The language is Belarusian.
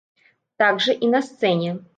Так жа і на сцэне.